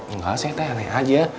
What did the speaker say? enggak saya tanya tanya aja